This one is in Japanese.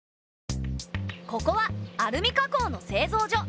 ここはアルミ加工の製造所。